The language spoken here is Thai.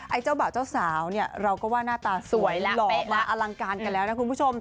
เจ้าบ่าวเจ้าสาวเนี่ยเราก็ว่าหน้าตาสวยแล้วหล่อมาอลังการกันแล้วนะคุณผู้ชม